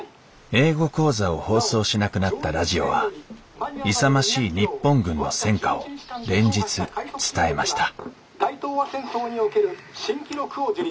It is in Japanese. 英語講座を放送しなくなったラジオは勇ましい日本軍の戦果を連日伝えました「大東亜戦争における新記録を樹立」。